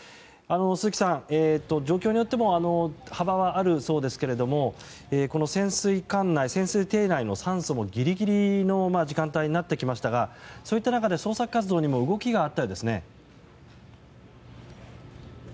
鈴木さん、状況によっても幅はあるそうですけどもこの潜水艇内の酸素もギリギリの時間になってきましたがそういった中で捜索活動にも動きがあったようですね。